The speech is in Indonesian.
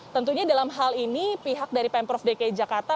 tentunya dalam hal ini pihak dari pemprov dki jakarta